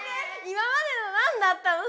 今までの何だったの？